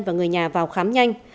và người nhà vào khám nhanh